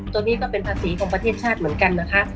ตัวนี้ก็เป็นภาษีของประเทศชาติเหมือนกันนะคะ